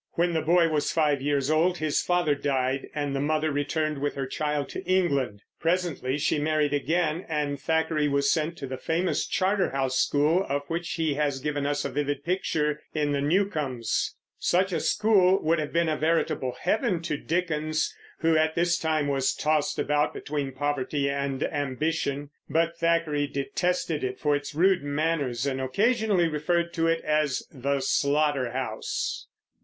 When the boy was five years old his father died, and the mother returned with her child to England. Presently she married again, and Thackeray was sent to the famous Charterhouse school, of which he has given us a vivid picture in The Newcomes. Such a school would have been a veritable heaven to Dickens, who at this time was tossed about between poverty and ambition; but Thackeray detested it for its rude manners, and occasionally referred to it as the "Slaughterhouse."